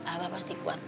abah pasti kuat